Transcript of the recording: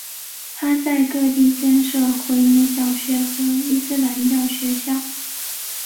他在各地建设回民小学和伊斯兰教学校。